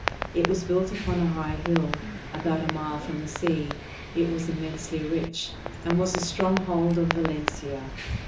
It was built upon a high hill, about a mile from the sea. It was immensely rich, and was the stronghold of Valencia.